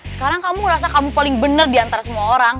sekarang kamu ngerasa kamu paling bener diantara semua orang